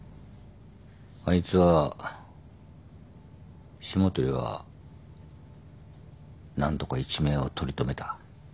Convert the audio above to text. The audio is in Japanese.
あいつは霜鳥は何とか一命を取り留めた。